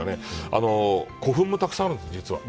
古墳もたくさんあるんですよ、実は。